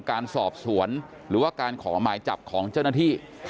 การสอบสวนหรือว่าการขอหมายจับของเจ้าหน้าที่